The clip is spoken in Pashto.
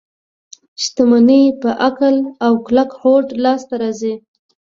شتمني په عقل او کلک هوډ لاس ته راځي.